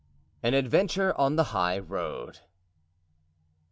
An Adventure on the High Road.